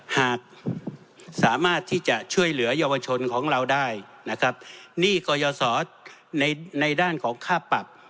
หากสามารถที่จะช่วยเหลือเยาวชนของเราได้นะครับหนี้กรยาศรในในด้านของค่าปรับ